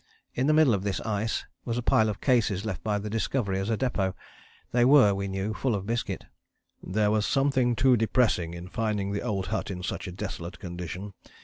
In the middle of this ice was a pile of cases left by the Discovery as a depôt. They were, we knew, full of biscuit. "There was something too depressing in finding the old hut in such a desolate condition.